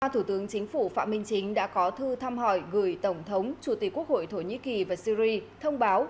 thủ tướng chính phủ phạm minh chính đã có thư thăm hỏi gửi tổng thống chủ tịch quốc hội thổ nhĩ kỳ và syri thông báo